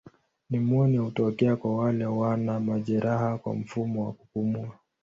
Nimonia hutokea kwa wale wana majeraha kwa mfumo wa kupumua.